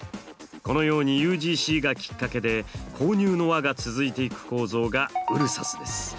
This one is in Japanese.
このようにＵＧＣがきっかけで購入の輪が続いていく構造がＵＬＳＳＡＳです。